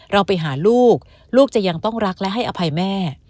เราไปหาลูกลูกจะยังต้องรักและให้อภัยแม่